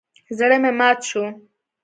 زړه مې مات شو.